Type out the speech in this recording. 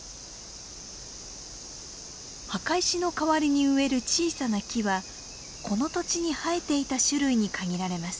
墓石の代わりに植える小さな木はこの土地に生えていた種類に限られます。